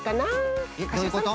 どういうこと？